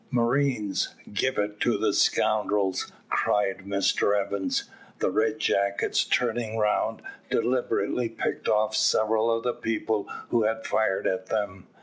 "Marines, give it the scoundrels," cried Mr Evans. The red jackets, turning round, deliberately picked off several of the people who had fired at them.